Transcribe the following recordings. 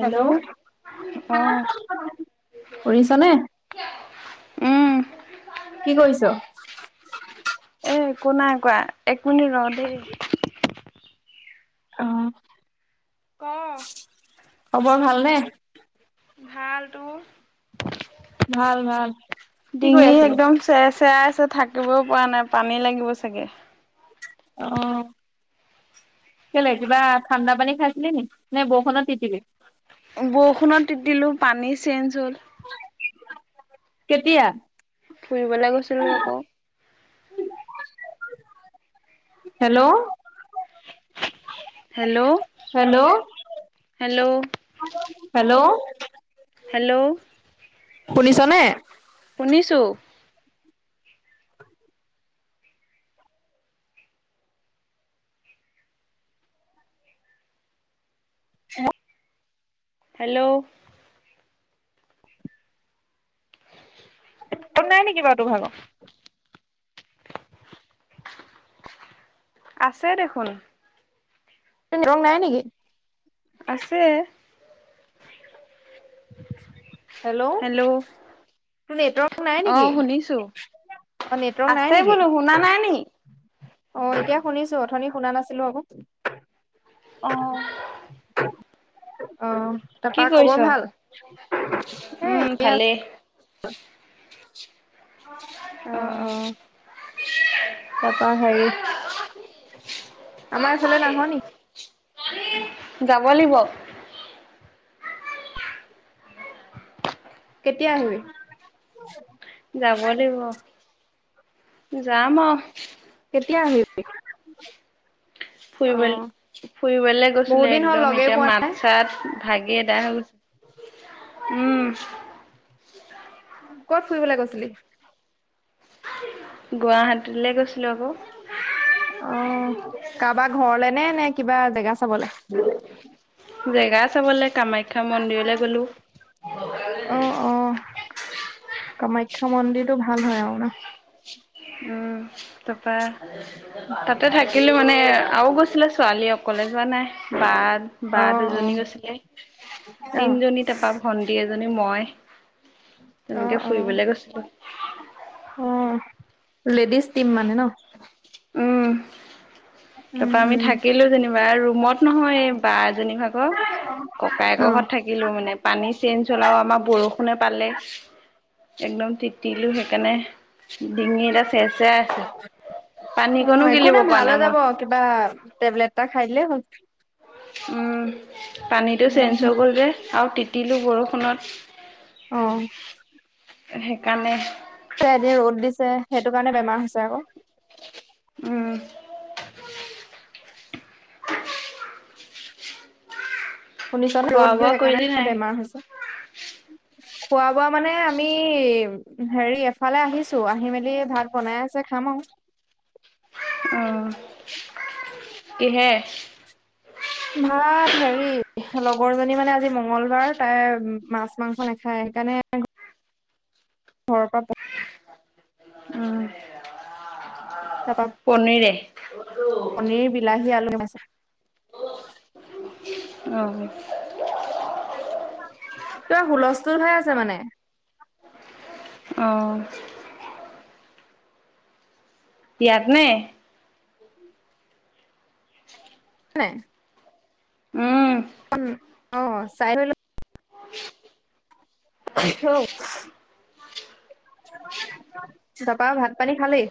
[inaudible] Hello, অ শুনিছানে? উম। কি কৰিছ? এ একো নাই কোৱা এক মিনিট ৰহ দেই। অ',। ক খবৰ ভালনে? ভাল তোৰ, ভাল ভাল কি কৰি ডিঙি আছিলি? একদম চে চেৰা আছে থাকিবয়ে পৰা নাই পানী লাগিব চাগে। অ', কেলে, কিবা ঠাণ্ডা পানী খাইছিলে নেকি নে বৰষুণত তিতিলি? বৰষুণত তিতিলোঁ পানী চেঞ্জ হ'ল। কেতিয়া? ফুৰিবলৈ গৈছিলো আকৌ। Hello hello hello hello hello hello শুনিছ নে? শুনিছো। [inaudible] হেল্ল' নেটৱৰ্ক নাই নেকি বাৰু তোৰ ভাগৰ? আছে দেখোন। নেটৱৰ্ক নাই নেকি? আছে। হেল্ল' তোৰ নেটৱৰ্ক নাই অ নেকি শুনিছো অ, নেটৱৰ্ক নাই আছে নেকি? বোলো শুনা নাই নি অ, এতিয়া শুনিছো অথনি শুনা নাছিলো আকৌ। অ', অ, কি তাৰপা কৰিছ খবৰ ভাল? এ উম, এনে আ ভালেই। অ। অ', তাৰপা হেৰি আমাৰ এইফালে নাহ নেকি? যাব লাগিব। কেতিয়া আহিবি? যাব লাগিব যাম আৰু কেতিয়া আহিবি? ফুৰিব অ', ফুৰিবলে বহুত গৈছিলো দিন হ'ল একদম লগেই এতিয়া পোৱা নাই মাত চাত ভাগি আদায় হৈ গৈছে উম। কত ফুৰিবলৈ গৈ? গুৱাহাটীলৈ গৈছিলোঁ আকৌ। অ, কাৰোবাৰ ঘৰলে নে নে কিবা জেগা চাবলে? জেগা চাবলৈ কামাখ্যা মন্দিৰলে গ'লো। অ, অ, কামাখ্যা মন্দিৰটো ভাল হয় আৰু ন' উম, তাৰপা তাতে থাকিলো মানে আৰু গৈছিলে ছোৱালী অকলে যোৱা নাই বা বা অ', অ', দুজনী গৈছিলে অ', তিনিজনী তাৰপা ভন্টি এজনী মই। অ, তেনেকে অ, ফুৰিবলে গৈছিলো অ, লেডিজ টিম মানে ন'? উম। উম, তাৰপা আমি উম, থাকিলো যেনিবা ৰুমত নহয় এই বা এজনী ভাগৰ ককায়েকৰ অ', ঘৰত থাকিল লাকিলো মানে পানী চেঞ্জ হ'ল আৰু আমাৰ বৰষুণে পালে। একদম তিতিলোঁ সেইকাৰণে ডিঙি চে চেৰাই আছে অ', পানীকণো একো গিলিব পৰা ভাল হৈ নাই যাব মই। কিবা টেবলেট এটা খাই দিলে হ'ল। পানীটো চেঞ্জ উম, হৈ গ'ল যে আৰু তিতিলোঁ বৰষুণত। অ। সেইকাৰণে এদিন ৰ'দ দিছে সেইটো কাৰণে বেমাৰ হৈছে আকৌ উ শুনিছ খোৱা ৰ'দ দিিয় বোৱা কৰিলি সেইকাৰণে নাই বেমাৰ হৈছে খোৱা বোৱা মানে আমি হেৰি এফালে আহিছো আহি মেলি ধাত বনাই আছে খাম আৰু আহ কিহে ভাত হেৰি লগৰ জনী মানে আজি মংগলবাৰ তাই মাছ মাংস নাখায় সেইকাৰণে ঘৰৰ পৰা উ তাপা পনৰে উ পনীৰ বিলাহী আলু কে মাচ উ কিবা হুলস্থুল ভাই আছে মানে অঁ বিয়াত নে নাই উম উ অ চাই থো অ তাপা ভাত পানী খালেই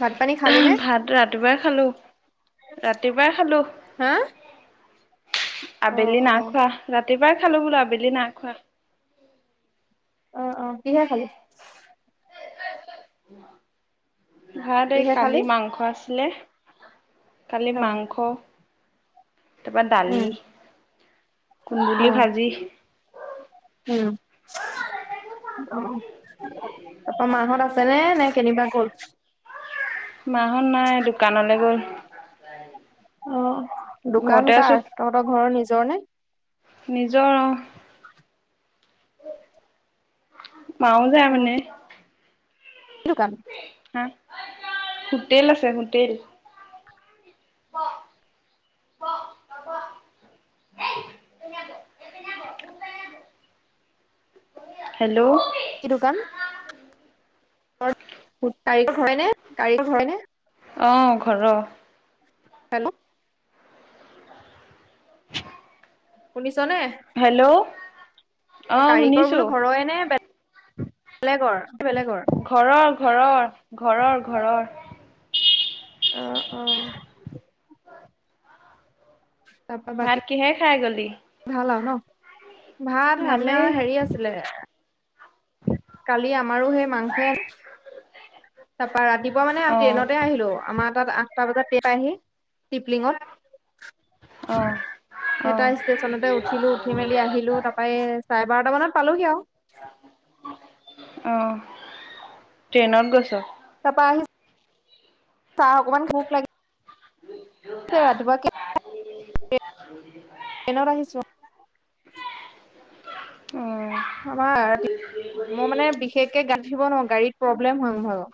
ভাত পানী খালে ভাত ৰাতিপুৱাই খালো ৰাতিপুৱাই খালো হা অ আবেলি অ নাখোৱা ৰাতিপুৱাই খালো বোলো আবেলি নাখোৱা অ অ সহে খালি ভাত এই কিহে কালি খালি মাংস আছিলে খালি অ মাংস তাৰপৰা দালি উম অ কুন্দুলি ভাজি উম অ তাৰপা মাহত আছে নে নে কেনিবা গ'ল মাহত নাই দোকানলৈ গ'ল অ ঘৰতে দোকান আছো কাৰ তহঁতৰ ঘৰৰ নিজৰ নে নিজৰ আহ মাও যায় মানে। এইটো কাম। হা হোটেল আছে হোটেল। ক ক কোৱা? হেল্ল'। কি দোকান? কাৰিকৰ হয় নে কাৰিকৰ হয় নে। অ', ঘৰৰ। হেল্ল'। [inaudible] শুনিছনে? হেল্ল'। অ', কাৰিকৰ বোলো ঘৰৰে নেলে বেলেগৰ, বেলেগৰ? ঘৰৰ, ঘৰৰ, ঘৰৰ, ঘৰৰ। অ', অ'। তাপা বাকী? ভাত কিহে খাই গ'লি? ভাল আৰু ন ভাত ভালেই আামাৰ হেৰি আছিলে। কালি আমাৰো সেই মাংস এ তাৰপা ৰাতিপুৱা মানেমি অ ট্ৰেইনতে আহিলো আমাৰ তাত আঠটা বজাত টে প আহি টিপলিঙত। অ'। সেই অ', তাই ষ্টেচনতে উঠিলো উঠি মেলি আহিলো তাৰই চাৰে বাৰটা মানত পালোহি আৰু। আহ ট্ৰেইনত গৈছ? তাৰপা আহি চাহ অকমান ভুক লাগ ৰাতিপুৱা ট্ৰেইনত আহিছোঁ। অ', আমাৰতি মই মানে বিশেষকে গা ধব নোৱাৰো গাড়ীত। প্ৰব্লেম হয়।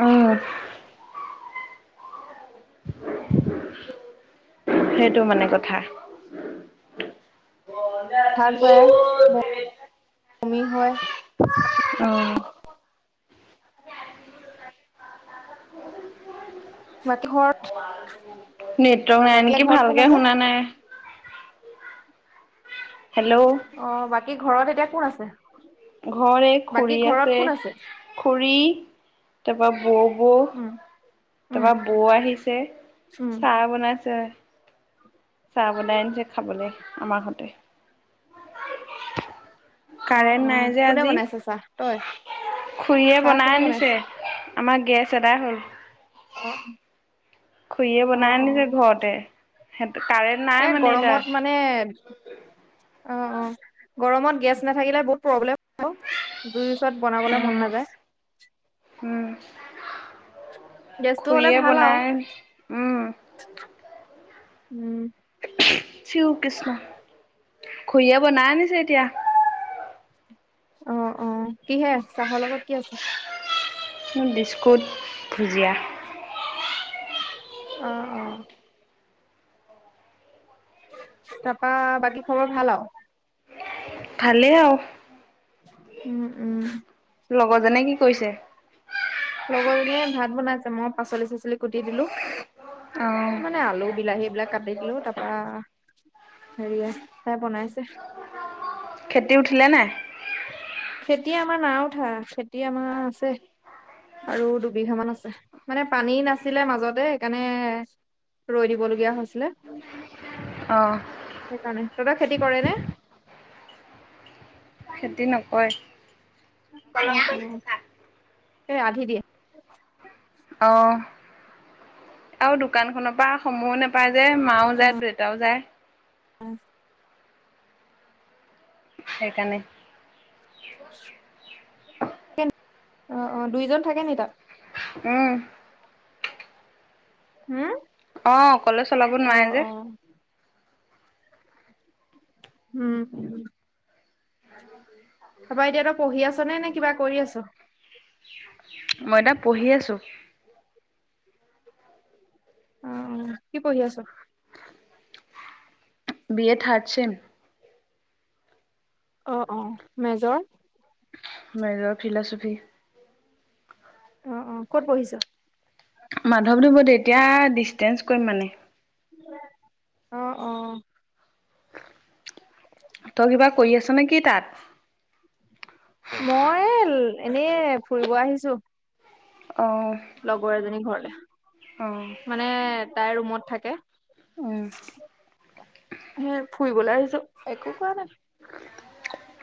উম। সেইটো মানে কথা। ভাক ভাইমি হয়। উম। বাকী খবৰ? নেটক নাই নেকি ভালকে শুনা নাই। হেল্ল'। অ', বাকী ঘৰত এতিয়া কোন আছে? ঘৰে বাকী খুৰী ঘৰত আছে কোন খুৰী। তাৰপৰা বৌবৌ। উম উম তাৰপা বৌ আহিছে উম চাহ বনাইছে। [inaudible] চাহ বনাই আনিছে খাবলৈ আমাৰ হতে। অ অ কাৰেণ্ট নাই যে কোনে আজি বনাইছে চাহ তই খুৰীয়য়ে চাহ বনাই কোনে আনিছে। বনাইছে আমাৰ গেছ এটাই হ'ল। অ'। খুৰী অ বনাই অ আনিছে ঘৰতে সিহ কাৰেণ্ট এ নাই মানে এতিয়া। গৰমত মানে অ', অ', গৰমত গেছ নাথাকিলে বহুত প্ৰব্লেম। জই ওচৰত বনাবলে মন উম, নাযায়। উম গেছটো হলে খুৰীয়ে ভাল আৰু বনাই। উম, উম শিৱ কৃষ্ণ ঘৰিয়ে বনাই আনিছে এতিয়া অ অ কিহে চাহৰ লগত কি আছে মোৰ বিস্কুট ভুজিয়া উ তাৰাপা বাকী খবৰ ভাল আৰু ভালে আৰু উম উম লগৰজনে কি কৰিছে লগৰজনীয়ে ভাত বনাইছে মই পাচলি চাচলি কুটি দিলো ত অ', মানে আলু বিলাহী এই বিলাক কাটি দিলো তাৰপা হেৰি চাই বনাইছে ক্ষেতি উঠিলে নে খেতি আমাৰ নাওঠা খেতি আমাৰ আছে আৰু দুবিঘ মান আছে মানে পানী নাছিলে মাজতেকাৰণে ৰৈ দিবলগীয়া হৈছিলে অঁ সেইকাৰণে তহততেই খেতি কৰে নে খেতি নকৰে। অ, অ, এ আধি দিয়ে। অ। আৰু, দোকানখনৰ পৰা সময়ো নেপায় যে, মাও যায়, দেউতাও যায়। উম। সেইকাৰণে। অ, অ, দুইজন থাকে নি তাত। উম। হম। অ, অকলে চলাব নোৱাৰে যে। উম, উম। [inaudible] তাৰপা, এতিয়া তই পঢ়ি আছ নে, নে কিবা কৰি আছ? মই এতিয়া পঢ়ি আছো। অ, অ, কি পঢ়ি আছ? B A third sem. অ, অ, মেজৰ। Major philosophy. অ, অ, ক'ত পঢ়িছ? মাধৱদেৱতে, এতিয়া ডিচষ্টেঞ্চ কৰিম, মানে। অ, অ। [inaudible] তই কিবা কৰি আছ নে, কি তাত? মই এনেই ফুৰিব আহিছো। অ। লগৰ এজনী ঘৰলে, অ', মানে তাই ৰুমত থাকে। উম, সে ফুৰিবলৈ আহিছো, একো কৰা নাই।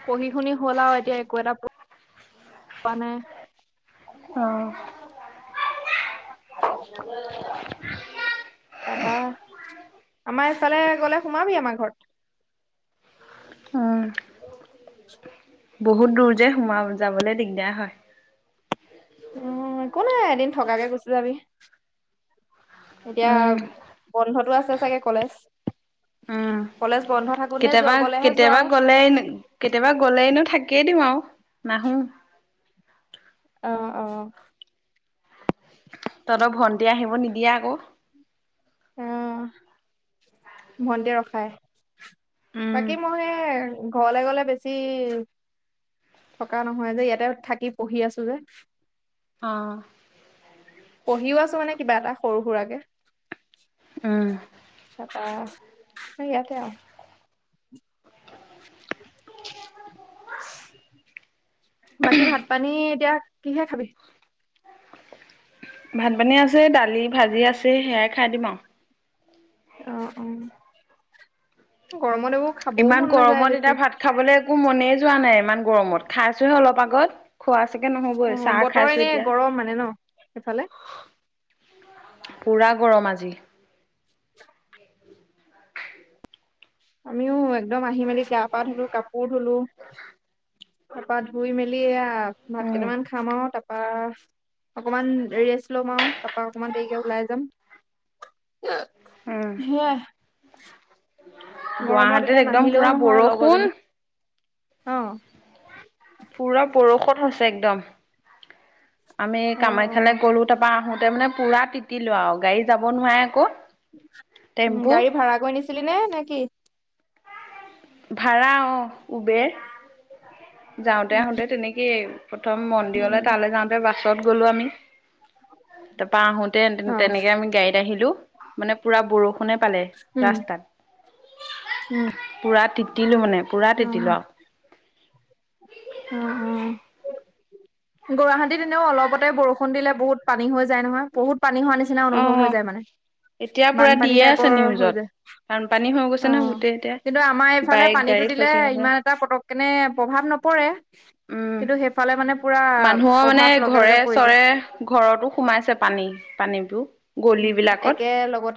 পঢ়ি-শুনি হ'ল, আৰু এতিয়া একো এটা পোৱা নাই। অ। [inaudible] তাৰপা, আমাৰ এইফালে গ'লে, সোমাবি আমাৰ ঘৰত। উম। [inaudible] বহুত দূৰ যে, সোমাই যাবলৈ দিগদাৰ হয়। উম, একো নাই। এদিন থকাকে গুচি যাবি। এতিয়া উম, বন্ধটো আছে চাগে, কলেজ? উম, কলেজ বন্ধ থাক কেতিয়াবা, কেতিয়াবা গ'লে, কেতিয়াবা গ'লেনো থাকিয়েই দিওঁ আৰু নাহো। অহ', অহ'। তহঁতৰ ভণ্টিয়ে আহিব নিদিয়ে আকৌ। অহ, ভণ্টিয়ে ৰখায়। উম, বাকী মই ঘৰলে গ'লে, বেছি থকা নহয় যে। ইয়াতে থাকি পঢ়ি আছোঁ যে। অহ। পঢ়িও আছোঁ, মানে কিবা এটা সৰু-সুৰাকে। উম। অহ, এই ইয়াতে আৰু। [unintelligible] বাকী, ভাত-পানী এতিয়া কিহে খাবি? ভাত-পানী আছে, দালি-ভাজি আছে। সেয়াই খাই দিম আৰু। অহ', অহ' গৰমত এইবোৰ খাবও ইমান মন নাযায় গৰমত বেছি, এতিয়া ভাত খাবলৈ একো মনে যোৱা নাই, ইমান গৰমত খাইছোহে অলপ আগত। খোৱা চাগৈ নহ'বই চাহ খাইছোঁ এতিয়া। অহ, মানে ন'। সেফালে। পুৰা গৰম আজি। আমিও একদম আহি মেলি গা-পা ধুলো কাপোৰ ধুলো। তাৰপা ধুই মেলি এয়া ভাত উম, কেইটামান খাম আৰু তাৰ তাৰপা অকণমান দেৰি ৰেষ্ট ল'ম আৰু তাৰাপা অকমান দেৰিকে ওলাই যাম। [unintelligible] উম, সেয়াই। গৰমত এতিয়া গুৱাহাটীত একদম নাহিলেও পুৰা বৰষুণ। অহ। পুৰা বৰষত হৈছে একদম। আমি কামাখ্যালে গলোঁ। তাৰ পৰা আহোতে মানে পুৰা তিতি লোৱা আৰু গাড়ী যাব নোৱাৰে আকৌ। উম, টেম্পু গাড়ী ভাড়া কৰি নিছিলি নে, নে কি? ভাড়া অহ, উবেৰ। যাওঁতে আহোতে তেনেকেই প্ৰথম মন্দিৰলৈ তালৈ যাওঁতে বাছত গ'লো আমি। তাৰপা আহোতে অ', তেনেকে আমি গাড়ীত আহিলোঁ মানে পুৰা বৰষুণে পালে উম, ৰাস্তাত। উম, পুৰা তিতিলো মানে, পুৰা অ', তিতিলো আৰু। উম', উম'। গুৱাহাটীত এনেও অলপতে বৰষুণ দিলে বহুত পানী হৈ যায় নহয়, বহুত পানী হোৱা নিচিনা আৰু অনুভৱ অ'। হৈ যায় মানে। এতিয়া পুৰা বানপানী দিয়ে আছে টাইপৰ হৈ নিউজত যায়। বানপানী হৈ গৈছে নহয় অহ, গোটেই এতিয়া কিন্তু আমাৰ এইফালে বাইক পানীতটো গাড়ী দিলে ফচি গৈছে ইমান এটা পটক কেনে প্ৰভাৱ নপৰে উম কিন্তু সেইফালে মানে পুৰা মানুহৰ মানে প্ৰভাৱ লগে লগে পৰি যায়। ঘৰে-চৰে ঘৰতো সোমাইছে পানী পানীবোৰ। গলি উম, বিলাকত একে লগত